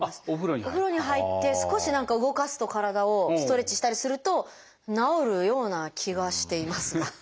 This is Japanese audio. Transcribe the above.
お風呂に入って少し何か動かすと体をストレッチしたりすると治るような気がしていますが。